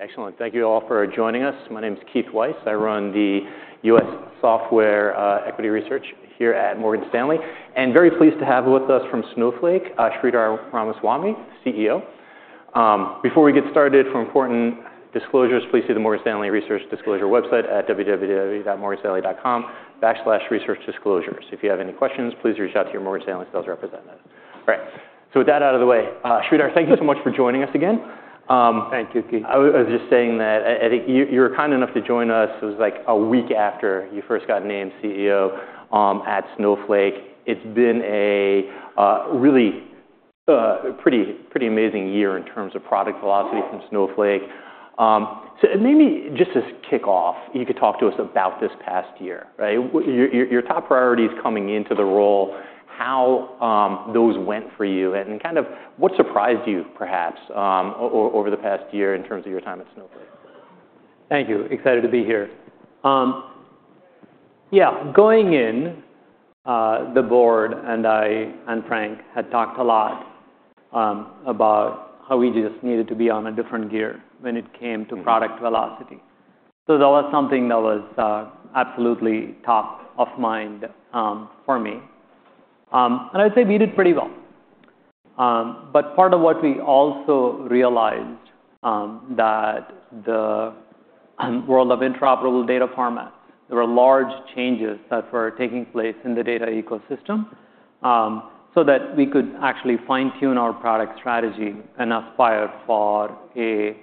Excellent. Thank you all for joining us. My name is Keith Weiss. I run the U.S. Software Equity Research here at Morgan Stanley. And very pleased to have with us from Snowflake, Sridhar Ramaswamy, CEO. Before we get started, for important disclosures, please see the Morgan Stanley Research Disclosure website at www.morganstanley.com/researchdisclosures. If you have any questions, please reach out to your Morgan Stanley sales representative. All right. So with that out of the way, Sridhar, thank you so much for joining us again. Thank you, Keith. I was just saying that you were kind enough to join us. It was like a week after you first got named CEO at Snowflake. It's been a really pretty amazing year in terms of product velocity from Snowflake. So maybe just to kick off, you could talk to us about this past year. Your top priorities coming into the role, how those went for you, and kind of what surprised you, perhaps, over the past year in terms of your time at Snowflake. Thank you. Excited to be here. Yeah, going in, the board and I and Frank had talked a lot about how we just needed to be on a different gear when it came to product velocity. So that was something that was absolutely top of mind for me. And I'd say we did pretty well. But part of what we also realized that the world of interoperable data formats, there were large changes that were taking place in the data ecosystem so that we could actually fine-tune our product strategy and aspire for a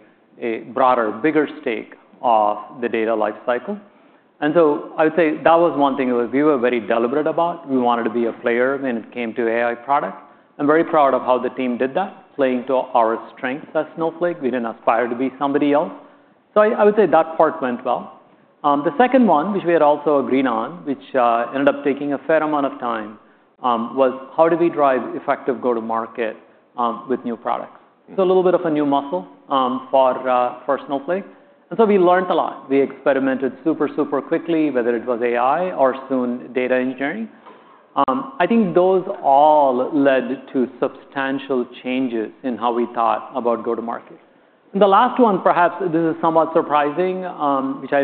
broader, bigger stake of the data lifecycle. And so I would say that was one thing we were very deliberate about. We wanted to be a player when it came to AI product. I'm very proud of how the team did that, playing to our strengths at Snowflake. We didn't aspire to be somebody else. So I would say that part went well. The second one, which we had also agreed on, which ended up taking a fair amount of time, was how do we drive effective go-to-market with new products? So a little bit of a new muscle for Snowflake. And so we learned a lot. We experimented super, super quickly, whether it was AI or soon data engineering. I think those all led to substantial changes in how we thought about go-to-market. And the last one, perhaps this is somewhat surprising, which I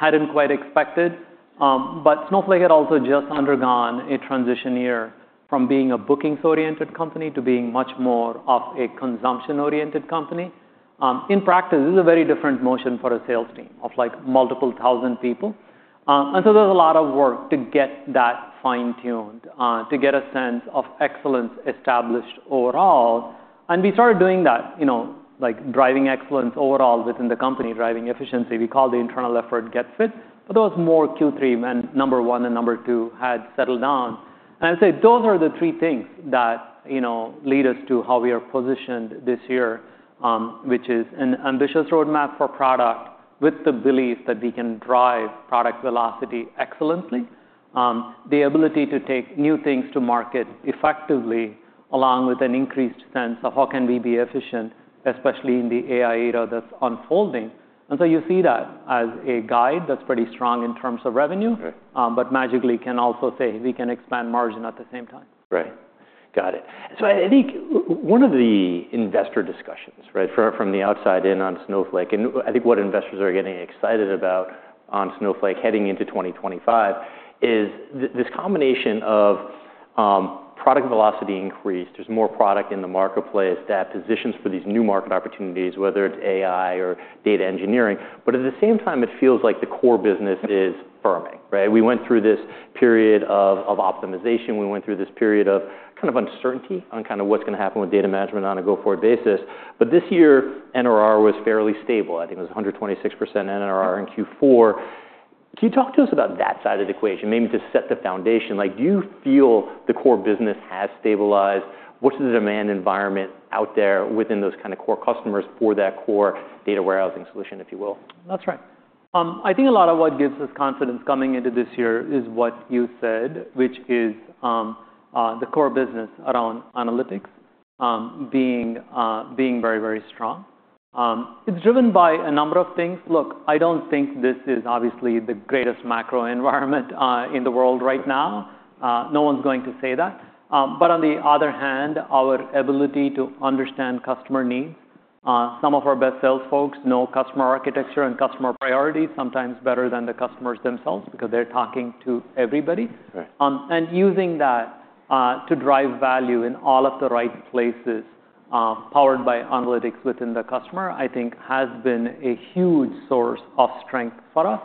hadn't quite expected, but Snowflake had also just undergone a transition year from being a bookings-oriented company to being much more of a consumption-oriented company. In practice, this is a very different motion for a sales team of like multiple thousand people. And so there's a lot of work to get that fine-tuned, to get a sense of excellence established overall. And we started doing that, like driving excellence overall within the company, driving efficiency. We called the internal effort Get Fit. But there was more Q3 when number one and number two had settled down. And I'd say those are the three things that lead us to how we are positioned this year, which is an ambitious roadmap for product with the belief that we can drive product velocity excellently, the ability to take new things to market effectively, along with an increased sense of how can we be efficient, especially in the AI era that's unfolding. And so you see that as a guide that's pretty strong in terms of revenue, but magically can also say we can expand margin at the same time. Right. Got it. So I think one of the investor discussions from the outside in on Snowflake, and I think what investors are getting excited about on Snowflake heading into 2025, is this combination of product velocity increase. There's more product in the marketplace that positions for these new market opportunities, whether it's AI or data engineering. But at the same time, it feels like the core business is firming. We went through this period of optimization. We went through this period of kind of uncertainty on kind of what's going to happen with data management on a go-forward basis. But this year, NRR was fairly stable. I think it was 126% NRR in Q4. Can you talk to us about that side of the equation, maybe to set the foundation? Do you feel the core business has stabilized? What's the demand environment out there within those kind of core customers for that core data warehousing solution, if you will? That's right. I think a lot of what gives us confidence coming into this year is what you said, which is the core business around analytics being very, very strong. It's driven by a number of things. Look, I don't think this is obviously the greatest macro environment in the world right now. No one's going to say that. But on the other hand, our ability to understand customer needs. Some of our best sales folks know customer architecture and customer priorities, sometimes better than the customers themselves because they're talking to everybody. And using that to drive value in all of the right places powered by analytics within the customer, I think has been a huge source of strength for us.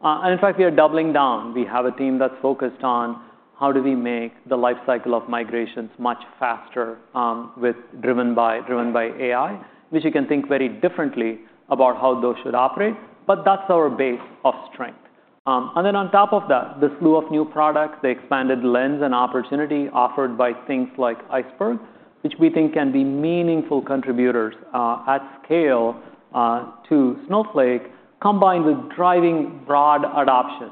And in fact, we are doubling down. We have a team that's focused on how do we make the lifecycle of migrations much faster driven by AI, which you can think very differently about how those should operate. But that's our base of strength. And then on top of that, the slew of new products, the expanded lens and opportunity offered by things like Iceberg, which we think can be meaningful contributors at scale to Snowflake, combined with driving broad adoption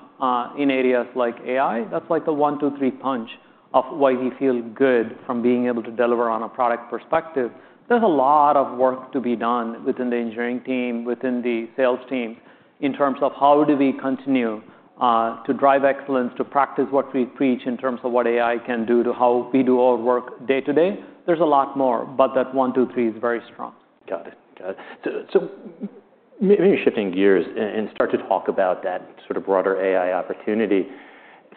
in areas like AI. That's like the one, two, three punch of why we feel good from being able to deliver on a product perspective. There's a lot of work to be done within the engineering team, within the sales teams in terms of how do we continue to drive excellence, to practice what we preach in terms of what AI can do to how we do our work day to day. There's a lot more, but that one, two, three is very strong. Got it. Got it, so maybe shifting gears and start to talk about that sort of broader AI opportunity.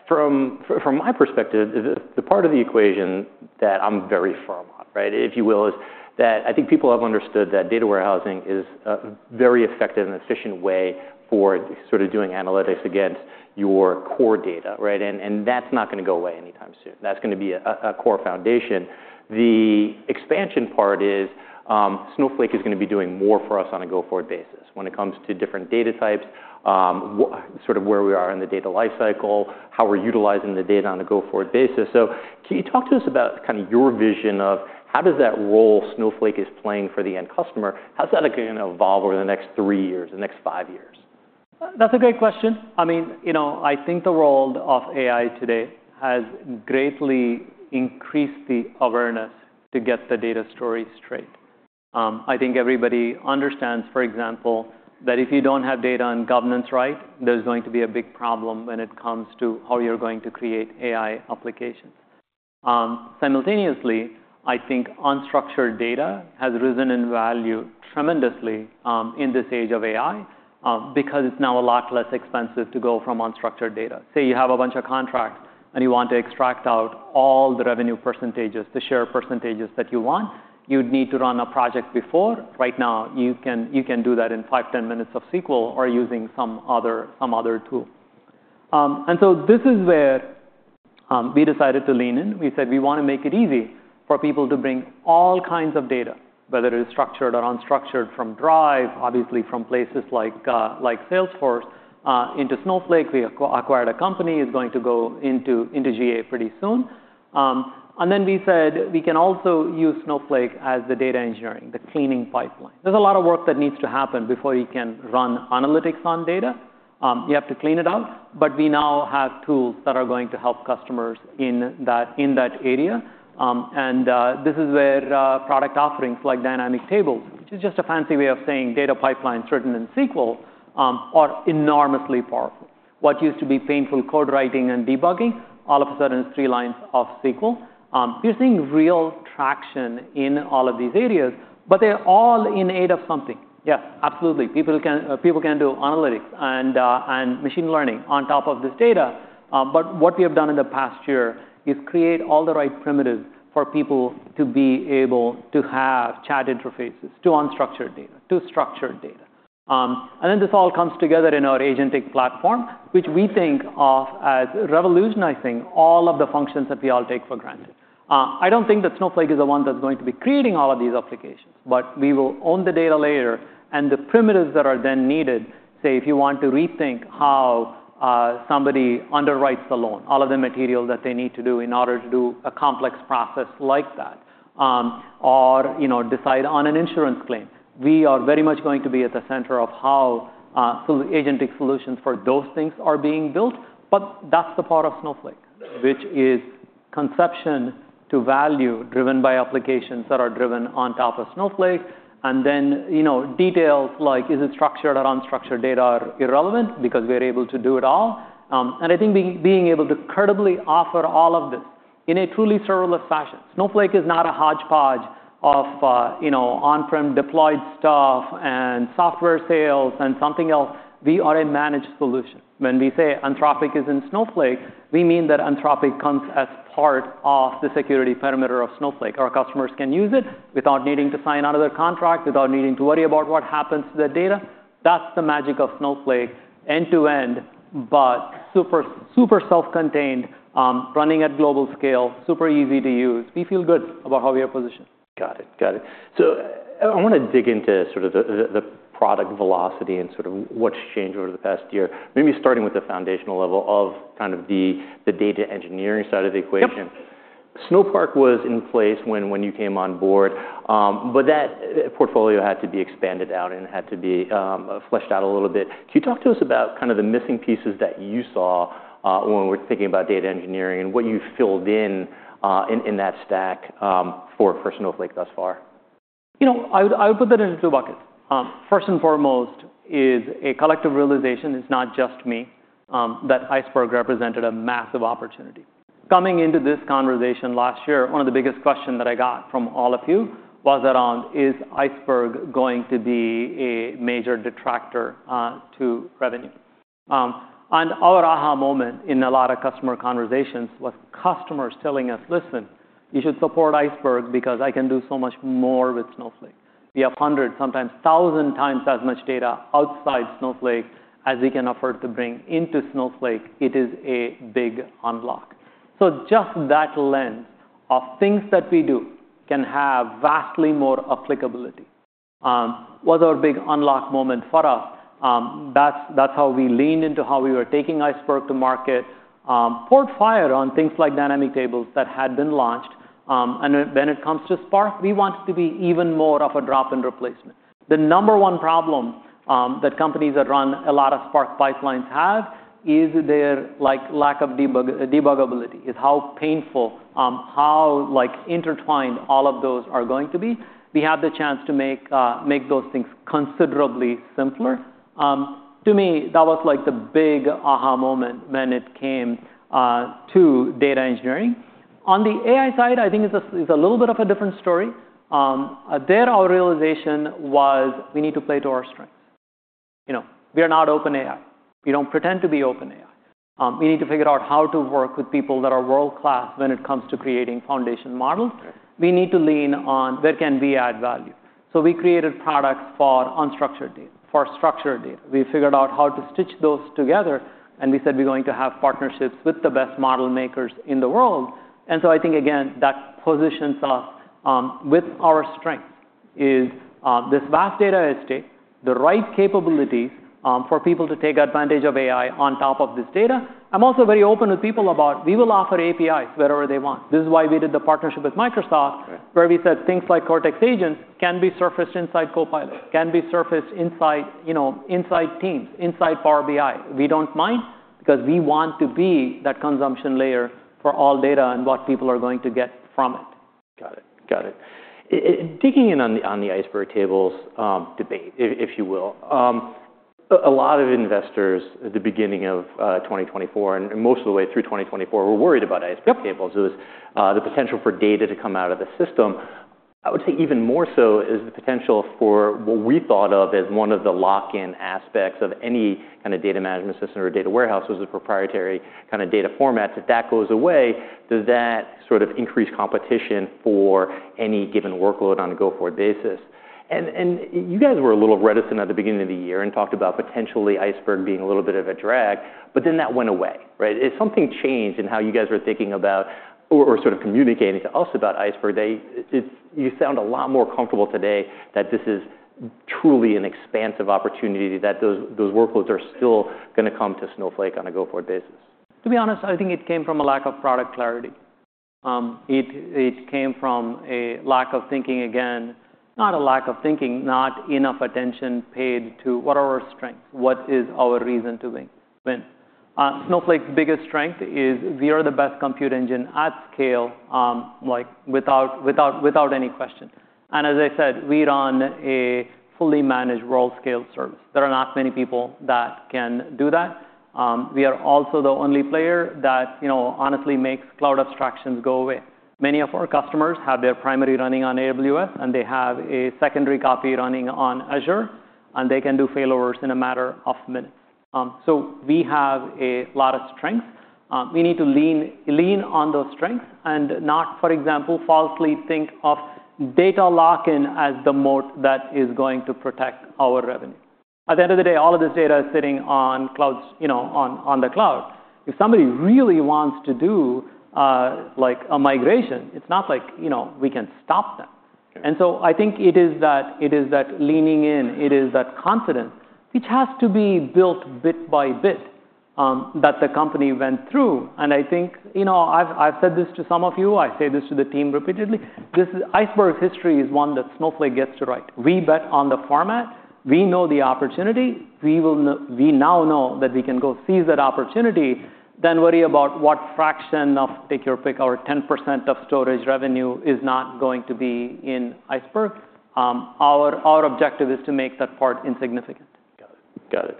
From my perspective, the part of the equation that I'm very firm on, if you will, is that I think people have understood that data warehousing is a very effective and efficient way for doing analytics against your core data. And that's not going to go away anytime soon. That's going to be a core foundation. The expansion part is, Snowflake is going to be doing more for us on a go-forward basis when it comes to different data types, sort of where we are in the data lifecycle, how we're utilizing the data on a go-forward basis, so can you talk to us about kind of your vision of how does that role Snowflake is playing for the end customer? How's that going to evolve over the next three years, the next five years? That's a great question. I mean, I think the role of AI today has greatly increased the awareness to get the data stories straight. I think everybody understands, for example, that if you don't have data and governance right, there's going to be a big problem when it comes to how you're going to create AI applications. Simultaneously, I think unstructured data has risen in value tremendously in this age of AI because it's now a lot less expensive to go from unstructured data. Say you have a bunch of contracts and you want to extract out all the revenue percentages, the share percentages that you want, you'd need to run a project before. Right now, you can do that in five, 10 minutes of SQL or using some other tool, and so this is where we decided to lean in. We said we want to make it easy for people to bring all kinds of data, whether it is structured or unstructured, from Drive, obviously from places like Salesforce, into Snowflake. We acquired a company. It's going to go into GA pretty soon. And then we said we can also use Snowflake as the data engineering, the cleaning pipeline. There's a lot of work that needs to happen before you can run analytics on data. You have to clean it up. But we now have tools that are going to help customers in that area. And this is where product offerings like Dynamic Tables, which is just a fancy way of saying data pipelines written in SQL, are enormously powerful. What used to be painful code writing and debugging, all of a sudden is three lines of SQL. We're seeing real traction in all of these areas, but they're all in aid of something. Yes, absolutely. People can do analytics and machine learning on top of this data. But what we have done in the past year is create all the right primitives for people to be able to have chat interfaces to unstructured data, to structured data. And then this all comes together in our agentic platform, which we think of as revolutionizing all of the functions that we all take for granted. I don't think that Snowflake is the one that's going to be creating all of these applications, but we will own the data layer and the primitives that are then needed. Say, if you want to rethink how somebody underwrites the loan, all of the material that they need to do in order to do a complex process like that, or decide on an insurance claim, we are very much going to be at the center of how agentic solutions for those things are being built. But that is the part of Snowflake which is conception to value driven by applications that are driven on top of Snowflake. Details like, is it structured or unstructured data, are irrelevant because we are able to do it all. I think being able to credibly offer all of this in a truly serverless fashion means Snowflake is not a hodgepodge of on-prem deployed stuff and software sales and something else. We are a managed solution. When we say Anthropic is in Snowflake, we mean that Anthropic comes as part of the security perimeter of Snowflake. Our customers can use it without needing to sign another contract, without needing to worry about what happens to the data. That's the magic of Snowflake, end to end, but super self-contained, running at global scale, super easy to use. We feel good about how we are positioned. Got it. Got it. So I want to dig into sort of the product velocity and sort of what's changed over the past year, maybe starting with the foundational level of kind of the data engineering side of the equation. Snowpark was in place when you came on board, but that portfolio had to be expanded out and had to be fleshed out a little bit. Can you talk to us about kind of the missing pieces that you saw when we're thinking about data engineering and what you've filled in in that stack for Snowflake thus far? I would put that into two buckets. First and foremost is a collective realization, not just me, that Iceberg represented a massive opportunity. Coming into this conversation last year, one of the biggest questions that I got from all of you was around, is Iceberg going to be a major detractor to revenue? And our aha moment in a lot of customer conversations was customers telling us, "listen, you should support Iceberg because I can do so much more with Snowflake." We have 100, sometimes 1,000 times as much data outside Snowflake as we can afford to bring into Snowflake. It is a big unlock. So just that lens of things that we do can have vastly more applicability was our big unlock moment for us. That's how we leaned into how we were taking Iceberg to market, poured fire on things like Dynamic Tables that had been launched. And when it comes to Snowpark, we wanted to be even more of a drop-in replacement. The number one problem that companies that run a lot of Snowpark pipelines have is their lack of debuggability, is how painful, how intertwined all of those are going to be. We had the chance to make those things considerably simpler. To me, that was like the big aha moment when it came to data engineering. On the AI side, I think it's a little bit of a different story. There, our realization was we need to play to our strengths. We are not OpenAI. We don't pretend to be OpenAI. We need to figure out how to work with people that are world-class when it comes to creating foundation models. We need to lean on where can we add value. So we created products for unstructured data, for structured data. We figured out how to stitch those together. We said we're going to have partnerships with the best model makers in the world. So I think, again, that positions us with our strengths is this vast data estate, the right capabilities for people to take advantage of AI on top of this data. I'm also very open with people about we will offer APIs wherever they want. This is why we did the partnership with Microsoft, where we said things like Cortex Agents can be surfaced inside Copilot, can be surfaced inside Teams, inside Power BI. We don't mind because we want to be that consumption layer for all data and what people are going to get from it. Got it. Got it. Digging in on the Iceberg Tables debate, if you will, a lot of investors at the beginning of 2024 and most of the way through 2024 were worried about Iceberg Tables. It was the potential for data to come out of the system. I would say even more so is the potential for what we thought of as one of the lock-in aspects of any kind of data management system or data warehouse was a proprietary kind of data format. If that goes away, does that sort of increase competition for any given workload on a go-forward basis? And you guys were a little reticent at the beginning of the year and talked about potentially Iceberg being a little bit of a drag, but then that went away. If something changed in how you guys were thinking about or sort of communicating to us about Iceberg, you sound a lot more comfortable today that this is truly an expansive opportunity, that those workloads are still going to come to Snowflake on a go-forward basis. To be honest, I think it came from a lack of product clarity. It came from a lack of thinking, again, not a lack of thinking, not enough attention paid to what are our strengths, what is our reason to win. Snowflake's biggest strength is we are the best compute engine at scale without any question. And as I said, we run a fully managed world-scale service. There are not many people that can do that. We are also the only player that honestly makes cloud abstractions go away. Many of our customers have their primary running on AWS, and they have a secondary copy running on Azure, and they can do failovers in a matter of minutes. So we have a lot of strengths. We need to lean on those strengths and not, for example, falsely think of data lock-in as the moat that is going to protect our revenue. At the end of the day, all of this data is sitting on the cloud. If somebody really wants to do a migration, it's not like we can stop them. And so I think it is that leaning in, it is that confidence, which has to be built bit by bit that the company went through. And I think I've said this to some of you. I say this to the team repeatedly. Iceberg's history is one that Snowflake gets to write. We bet on the format. We know the opportunity. We now know that we can go seize that opportunity, then worry about what fraction of, take your pick, our 10% of storage revenue is not going to be in Iceberg. Our objective is to make that part insignificant. Got it.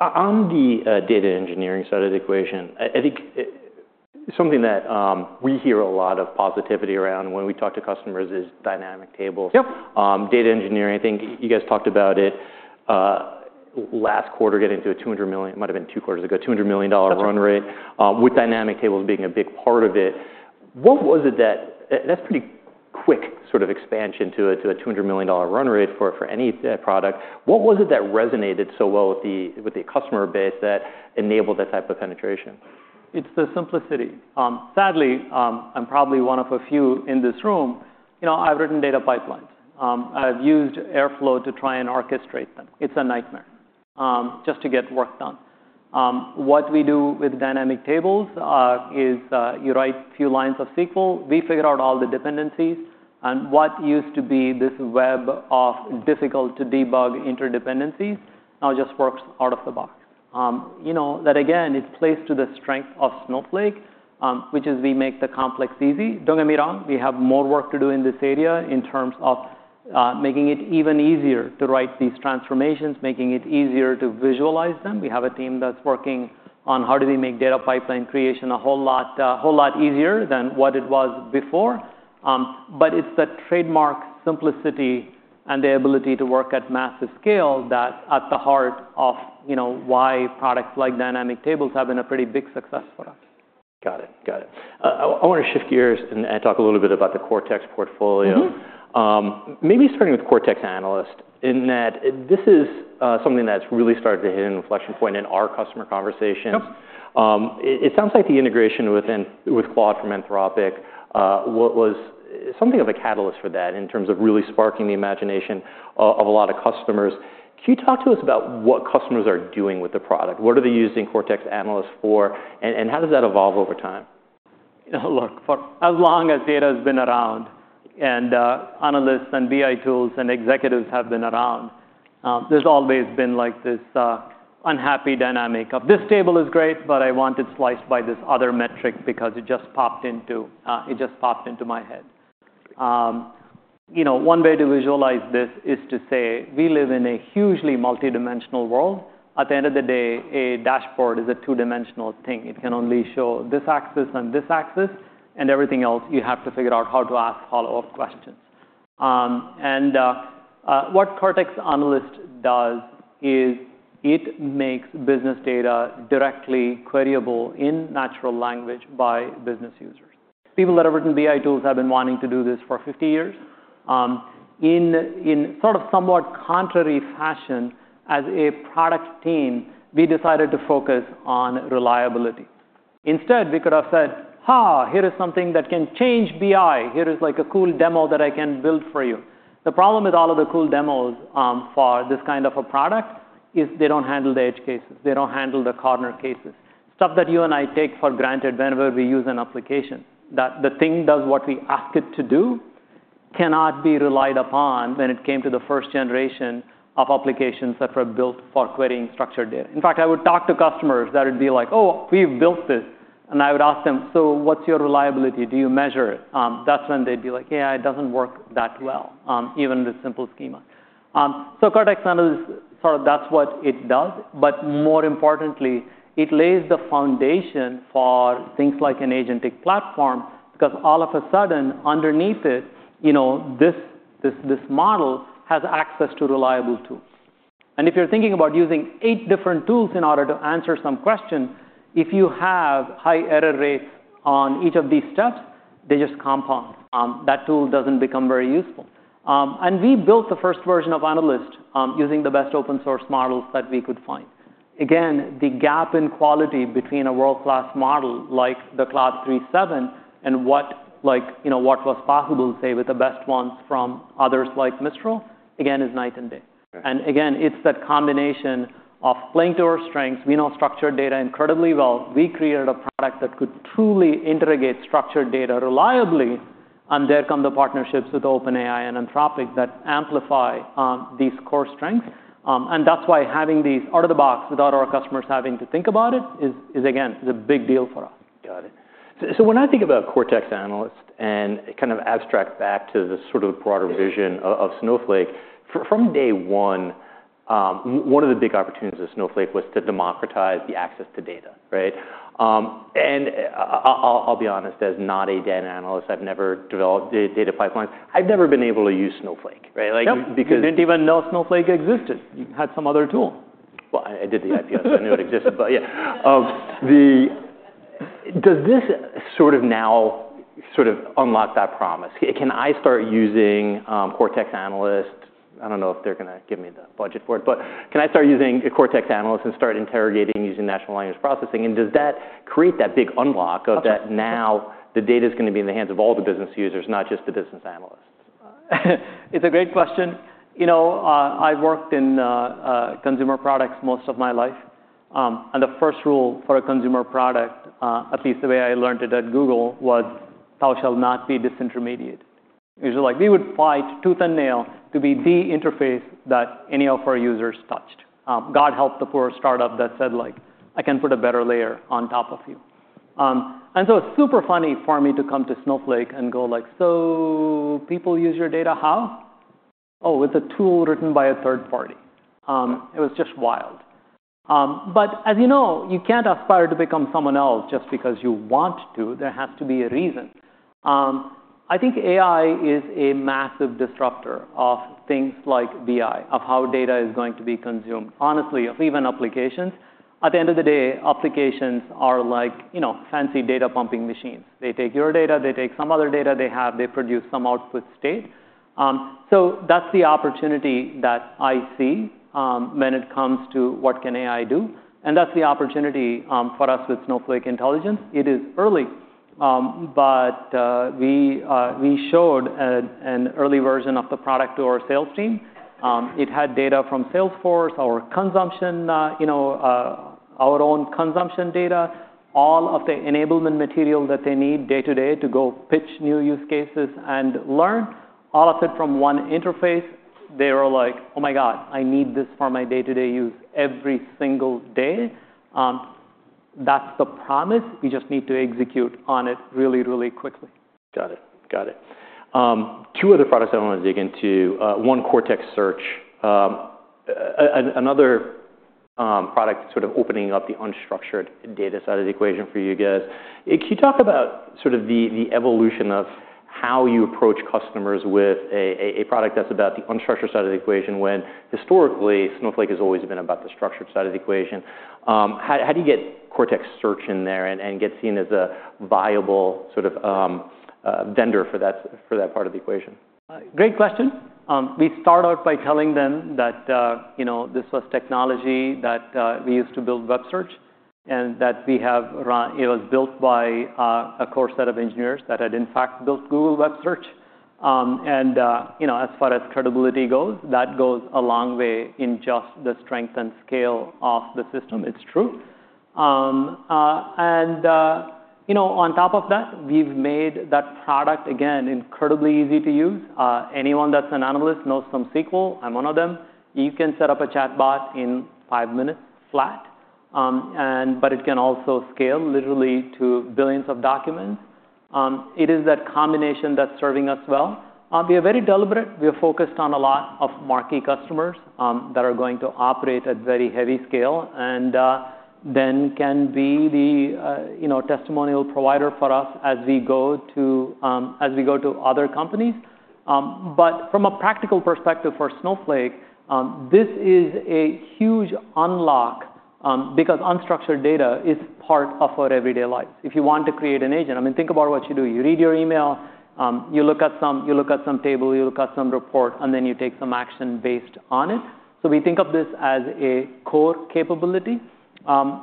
Got it. On the data engineering side of the equation, I think something that we hear a lot of positivity around when we talk to customers is Dynamic Tables. Data engineering, I think you guys talked about it last quarter getting to a $200 million, might have been two quarters ago, $200 million run rate with Dynamic Tables being a big part of it. What was it that that's pretty quick sort of expansion to a $200 million run rate for any product? What was it that resonated so well with the customer base that enabled that type of penetration? It's the simplicity. Sadly, I'm probably one of a few in this room. I've written data pipelines. I've used Airflow to try and orchestrate them. It's a nightmare just to get work done. What we do with Dynamic Tables is you write a few lines of SQL. We figure out all the dependencies. And what used to be this web of difficult-to-debug interdependencies now just works out of the box. That, again, it plays to the strength of Snowflake, which is we make the complex easy. Don't get me wrong. We have more work to do in this area in terms of making it even easier to write these transformations, making it easier to visualize them. We have a team that's working on how do we make data pipeline creation a whole lot easier than what it was before. But it's the trademark simplicity and the ability to work at massive scale that's at the heart of why products like Dynamic Tables have been a pretty big success for us. Got it. Got it. I want to shift gears and talk a little bit about the Cortex portfolio, maybe starting with Cortex Analyst in that this is something that's really started to hit an inflection point in our customer conversations. It sounds like the integration with Claude from Anthropic was something of a catalyst for that in terms of really sparking the imagination of a lot of customers. Can you talk to us about what customers are doing with the product? What are they using Cortex Analyst for, and how does that evolve over time? Look, for as long as data has been around and analysts and BI tools and executives have been around, there's always been this unhappy dynamic of this table is great, but I want it sliced by this other metric because it just popped into my head. One way to visualize this is to say we live in a hugely multidimensional world. At the end of the day, a dashboard is a two-dimensional thing. It can only show this axis and this axis, and everything else, you have to figure out how to ask follow-up questions. And what Cortex Analyst does is it makes business data directly queryable in natural language by business users. People that have written BI tools have been wanting to do this for 50 years. In sort of somewhat contrary fashion, as a product team, we decided to focus on reliability. Instead, we could have said, ha, here is something that can change BI. Here is like a cool demo that I can build for you. The problem with all of the cool demos for this kind of a product is they don't handle the edge cases. They don't handle the corner cases, stuff that you and I take for granted whenever we use an application. The thing does what we ask it to do cannot be relied upon when it came to the first generation of applications that were built for querying structured data. In fact, I would talk to customers that would be like, oh, we've built this. And I would ask them, so what's your reliability? Do you measure it? That's when they'd be like, yeah, it doesn't work that well, even with simple schema. So Cortex Analyst, sort of that's what it does. But more importantly, it lays the foundation for things like an agentic platform because all of a sudden, underneath it, this model has access to reliable tools. And if you're thinking about using eight different tools in order to answer some question, if you have high error rates on each of these steps, they just compound. That tool doesn't become very useful. And we built the first version of Analyst using the best open-source models that we could find. Again, the gap in quality between a world-class model like the Claude 3.7 and what was possible, say, with the best ones from others like Mistral, again, is night and day. And again, it's that combination of playing to our strengths. We know structured data incredibly well. We created a product that could truly interrogate structured data reliably. There come the partnerships with OpenAI and Anthropic that amplify these core strengths. That's why having these out of the box without our customers having to think about it is, again, a big deal for us. Got it. So when I think about Cortex Analyst and kind of abstract back to the sort of broader vision of Snowflake, from day one, one of the big opportunities of Snowflake was to democratize the access to data. And I'll be honest, as not a data analyst, I've never developed data pipelines. I've never been able to use Snowflake. You didn't even know Snowflake existed. You had some other tool. I did the IPO, so I knew it existed. Yeah. Does this sort of now sort of unlock that promise? Can I start using Cortex Analyst? I don't know if they're going to give me the budget for it, but can I start using Cortex Analyst and start interrogating using natural language processing? And does that create that big unlock of that now the data is going to be in the hands of all the business users, not just the business analysts? It's a great question. I've worked in consumer products most of my life, and the first rule for a consumer product, at least the way I learned it at Google, was thou shalt not be disintermediated. It was like we would fight tooth and nail to be the interface that any of our users touched. God help the poor startup that said, I can put a better layer on top of you, and so it's super funny for me to come to Snowflake and go like, so people use your data, how? Oh, with a tool written by a third party. It was just wild, but as you know, you can't aspire to become someone else just because you want to. There has to be a reason. I think AI is a massive disruptor of things like BI, of how data is going to be consumed, honestly, of even applications. At the end of the day, applications are like fancy data pumping machines. They take your data. They take some other data they have. They produce some output state. So that's the opportunity that I see when it comes to what can AI do. And that's the opportunity for us with Snowflake Intelligence. It is early, but we showed an early version of the product to our sales team. It had data from Salesforce, our consumption, our own consumption data, all of the enablement material that they need day to day to go pitch new use cases and learn, all of it from one interface. They were like, oh my god, I need this for my day-to-day use every single day. That's the promise. We just need to execute on it really, really quickly. Got it. Got it. Two other products I want to dig into. One, Cortex Search. Another product sort of opening up the unstructured data side of the equation for you guys. Can you talk about sort of the evolution of how you approach customers with a product that's about the unstructured side of the equation when historically, Snowflake has always been about the structured side of the equation? How do you get Cortex Search in there and get seen as a viable sort of vendor for that part of the equation? Great question. We start out by telling them that this was technology that we used to build Google Search and that it was built by a core set of engineers that had, in fact, built Google Search, and as far as credibility goes, that goes a long way in just the strength and scale of the system. It's true, and on top of that, we've made that product, again, incredibly easy to use. Anyone that's an analyst knows some SQL. I'm one of them. You can set up a chatbot in five minutes flat, but it can also scale literally to billions of documents. It is that combination that's serving us well. We are very deliberate. We are focused on a lot of marquee customers that are going to operate at very heavy scale and then can be the testimonial provider for us as we go to other companies. But from a practical perspective for Snowflake, this is a huge unlock because unstructured data is part of our everyday lives. If you want to create an agent, I mean, think about what you do. You read your email. You look at some table. You look at some report, and then you take some action based on it. So we think of this as a core capability.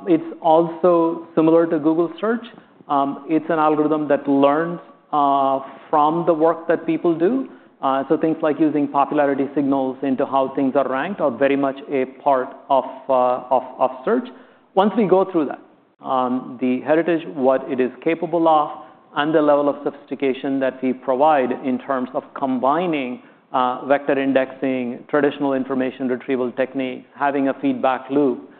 It's also similar to Google Search. It's an algorithm that learns from the work that people do. So things like using popularity signals into how things are ranked are very much a part of search. Once we go through that, the heritage, what it is capable of, and the level of sophistication that we provide in terms of combining vector indexing, traditional information retrieval techniques, having a feedback loop,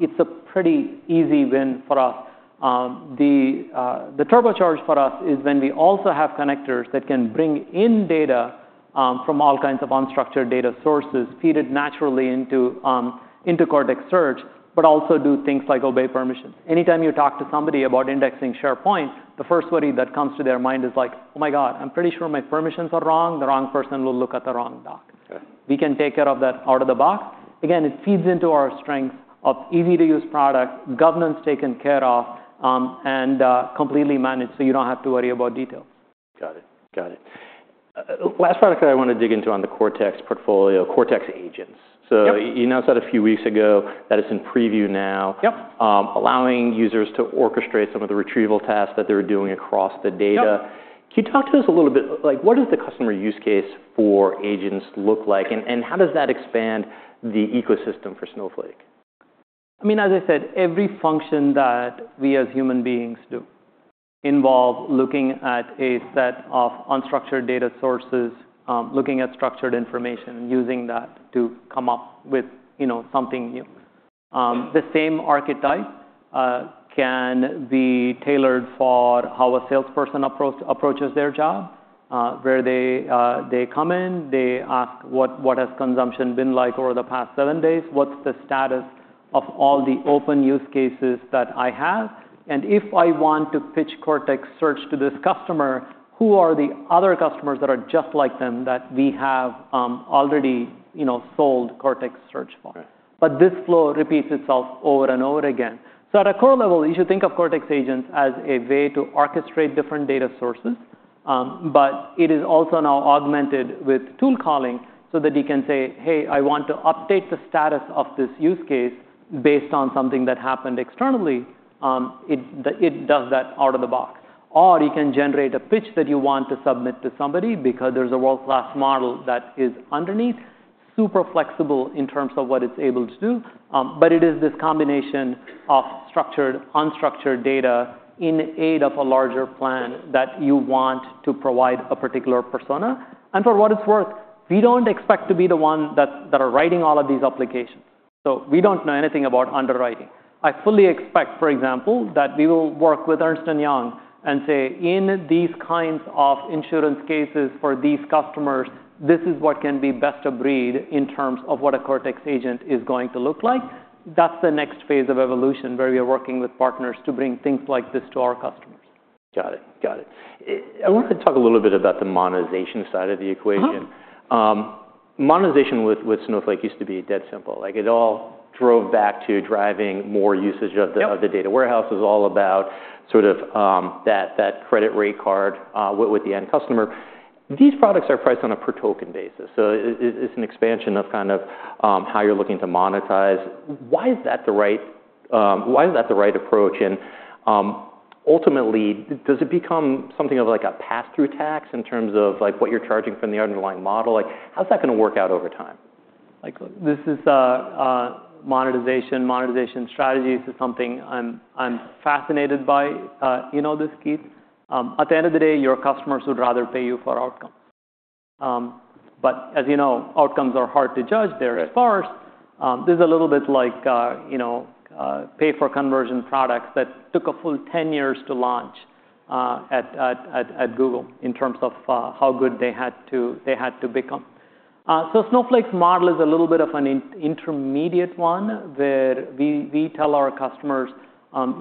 it's a pretty easy win for us. The turbocharge for us is when we also have connectors that can bring in data from all kinds of unstructured data sources, feed it naturally into Cortex Search, but also do things like obey permissions. Anytime you talk to somebody about indexing SharePoint, the first worry that comes to their mind is like, oh my god, I'm pretty sure my permissions are wrong. The wrong person will look at the wrong doc. We can take care of that out of the box. Again, it feeds into our strengths of easy-to-use product, governance taken care of, and completely managed so you don't have to worry about details. Got it. Got it. Last product that I want to dig into on the Cortex portfolio, Cortex Agents. So you announced that a few weeks ago. That is in preview now, allowing users to orchestrate some of the retrieval tasks that they're doing across the data. Can you talk to us a little bit? What does the customer use case for agents look like, and how does that expand the ecosystem for Snowflake? I mean, as I said, every function that we as human beings do involves looking at a set of unstructured data sources, looking at structured information, using that to come up with something new. The same archetype can be tailored for how a salesperson approaches their job, where they come in. They ask, what has consumption been like over the past seven days? What's the status of all the open use cases that I have? And if I want to pitch Cortex Search to this customer, who are the other customers that are just like them that we have already sold Cortex Search for? But this flow repeats itself over and over again. So at a core level, you should think of Cortex Agents as a way to orchestrate different data sources, but it is also now augmented with tool calling so that you can say, hey, I want to update the status of this use case based on something that happened externally. It does that out of the box. Or you can generate a pitch that you want to submit to somebody because there's a world-class model that is underneath, super flexible in terms of what it's able to do. But it is this combination of structured, unstructured data in aid of a larger plan that you want to provide a particular persona. And for what it's worth, we don't expect to be the one that are writing all of these applications. So we don't know anything about underwriting. I fully expect, for example, that we will work with Ernst & Young and say, in these kinds of insurance cases for these customers, this is what can be best of breed in terms of what a Cortex Agent is going to look like. That's the next phase of evolution where we are working with partners to bring things like this to our customers. Got it. Got it. I want to talk a little bit about the monetization side of the equation. Monetization with Snowflake used to be dead simple. It all drove back to driving more usage of the data warehouse. It was all about sort of that credit rate card with the end customer. These products are priced on a per-token basis. So it's an expansion of kind of how you're looking to monetize. Why is that the right approach? And ultimately, does it become something of like a pass-through tax in terms of what you're charging from the underlying model? How's that going to work out over time? This is monetization. Monetization strategies is something I'm fascinated by, you know this, Keith. At the end of the day, your customers would rather pay you for outcomes. But as you know, outcomes are hard to judge. They're sparse. This is a little bit like pay-for-conversion products that took a full 10 years to launch at Google in terms of how good they had to become. So Snowflake's model is a little bit of an intermediate one where we tell our customers,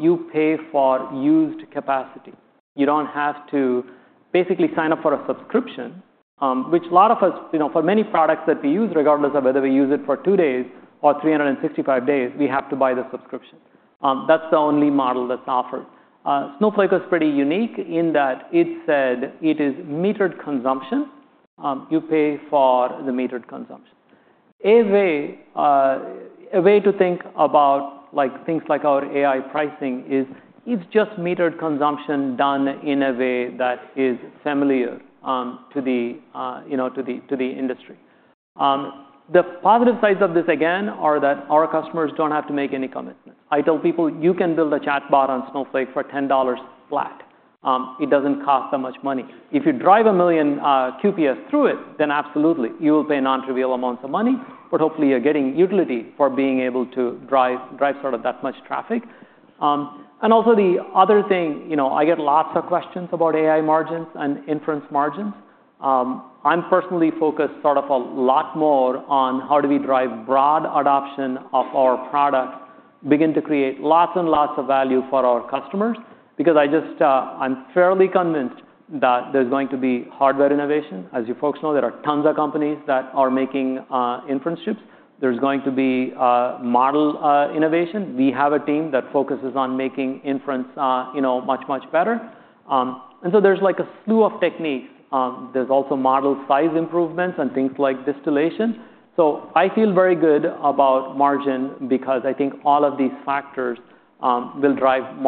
you pay for used capacity. You don't have to basically sign up for a subscription, which a lot of us, for many products that we use, regardless of whether we use it for two days or 365 days, we have to buy the subscription. That's the only model that's offered. Snowflake is pretty unique in that it said it is metered consumption. You pay for the metered consumption. A way to think about things like our AI pricing is it's just metered consumption done in a way that is familiar to the industry. The positive sides of this, again, are that our customers don't have to make any commitments. I tell people, you can build a chatbot on Snowflake for $10 flat. It doesn't cost that much money. If you drive a million QPS through it, then absolutely, you will pay non-trivial amounts of money, but hopefully, you're getting utility for being able to drive sort of that much traffic. And also, the other thing, I get lots of questions about AI margins and inference margins. I'm personally focused sort of a lot more on how do we drive broad adoption of our products, begin to create lots and lots of value for our customers because I'm fairly convinced that there's going to be hardware innovation. As you folks know, there are tons of companies that are making inference chips. There's going to be model innovation. We have a team that focuses on making inference much, much better. And so there's like a slew of techniques. There's also model size improvements and things like distillation. So I feel very good about margin because I think all of these factors will drive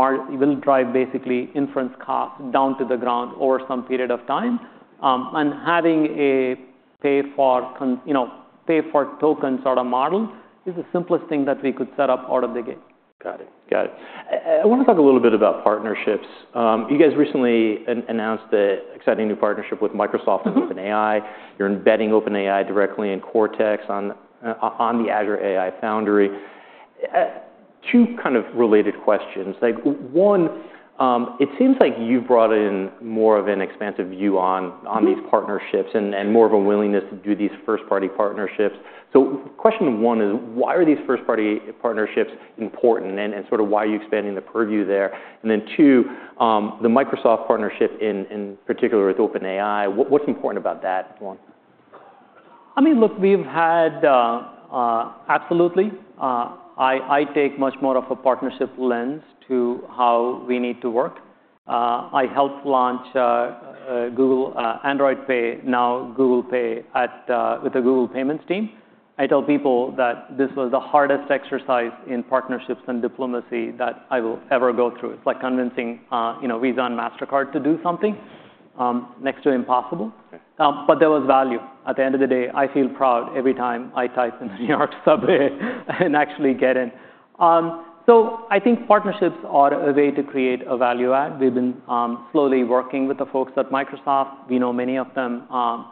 basically inference costs down to the ground over some period of time. And having a pay-for-token sort of model is the simplest thing that we could set up out of the gate. Got it. Got it. I want to talk a little bit about partnerships. You guys recently announced the exciting new partnership with Microsoft and OpenAI. You're embedding OpenAI directly in Cortex on the Azure AI Foundry. Two kind of related questions. One, it seems like you've brought in more of an expansive view on these partnerships and more of a willingness to do these first-party partnerships. So question one is, why are these first-party partnerships important and sort of why are you expanding the purview there? And then two, the Microsoft partnership in particular with OpenAI, what's important about that one? I mean, look, we've had absolutely. I take much more of a partnership lens to how we need to work. I helped launch Google Android Pay, now Google Pay with the Google Payments team. I tell people that this was the hardest exercise in partnerships and diplomacy that I will ever go through. It's like convincing Visa and Mastercard to do something next to impossible. But there was value. At the end of the day, I feel proud every time I tap in the New York subway and actually get in. So I think partnerships are a way to create a value add. We've been slowly working with the folks at Microsoft. We know many of them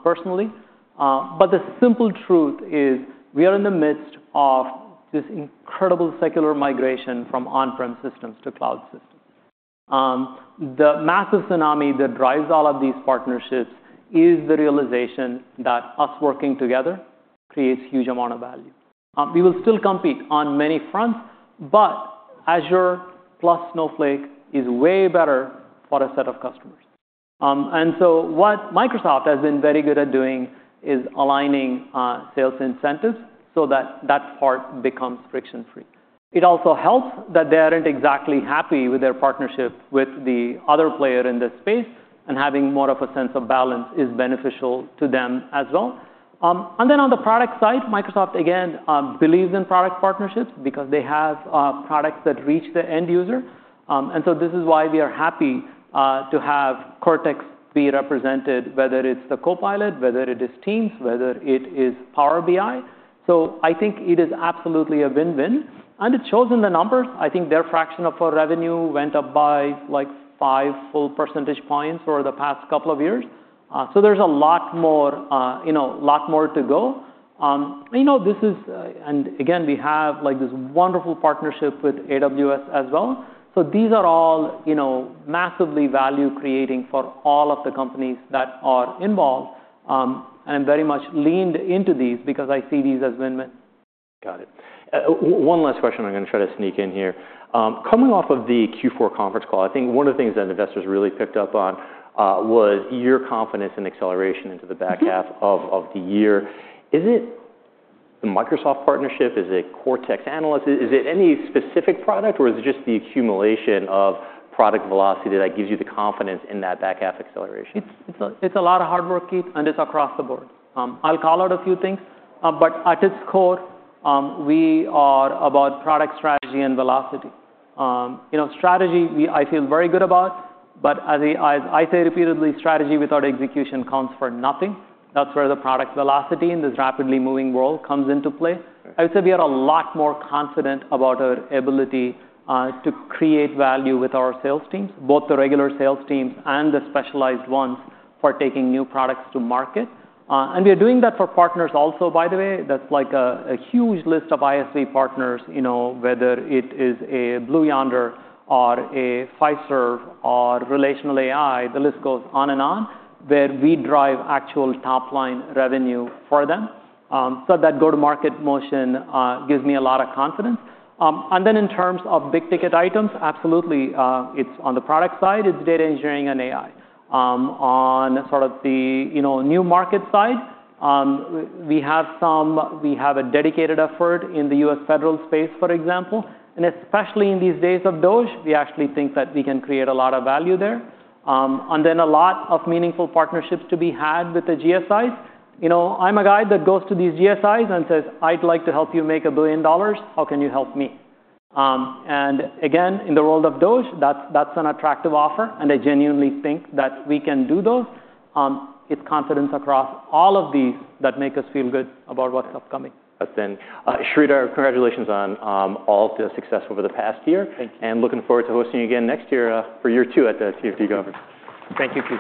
personally. But the simple truth is we are in the midst of this incredible secular migration from on-prem systems to cloud systems. The massive tsunami that drives all of these partnerships is the realization that us working together creates a huge amount of value. We will still compete on many fronts, but Azure plus Snowflake is way better for a set of customers, and so what Microsoft has been very good at doing is aligning sales incentives so that that part becomes friction-free, it also helps that they aren't exactly happy with their partnership with the other player in this space, and having more of a sense of balance is beneficial to them as well, and then on the product side, Microsoft, again, believes in product partnerships because they have products that reach the end user, and so this is why we are happy to have Cortex be represented, whether it's the Copilot, whether it is Teams, whether it is Power BI, so I think it is absolutely a win-win. It shows in the numbers. I think their fraction of our revenue went up by like five full percentage points over the past couple of years. There's a lot more to go. Again, we have this wonderful partnership with AWS as well. These are all massively value-creating for all of the companies that are involved. I'm very much leaned into these because I see these as win-win. Got it. One last question I'm going to try to sneak in here. Coming off of the Q4 conference call, I think one of the things that investors really picked up on was your confidence in acceleration into the back half of the year. Is it the Microsoft partnership? Is it Cortex Analyst? Is it any specific product, or is it just the accumulation of product velocity that gives you the confidence in that back half acceleration? It's a lot of hard work, Keith, and it's across the board. I'll call out a few things, but at its core, we are about product strategy and velocity. Strategy, I feel very good about, but as I say repeatedly, strategy without execution counts for nothing. That's where the product velocity in this rapidly moving world comes into play. I would say we are a lot more confident about our ability to create value with our sales teams, both the regular sales teams and the specialized ones for taking new products to market. And we are doing that for partners also, by the way. That's like a huge list of ISV partners, whether it is a Blue Yonder or a Fiserv or RelationalAI. The list goes on and on, where we drive actual top-line revenue for them. So that go-to-market motion gives me a lot of confidence. And then in terms of big-ticket items, absolutely, it's on the product side. It's data engineering and AI. On sort of the new market side, we have a dedicated effort in the U.S. federal space, for example. And especially in these days of DOGE, we actually think that we can create a lot of value there. And then a lot of meaningful partnerships to be had with the GSIs. I'm a guy that goes to these GSIs and says, I'd like to help you make $1 billion. How can you help me? And again, in the world of DOGE, that's an attractive offer, and I genuinely think that we can do those. It's confidence across all of these that make us feel good about what's upcoming. Sridhar, congratulations on all of the success over the past year. Thank you. Looking forward to hosting you again next year for year two at the TMT conference. Thank you.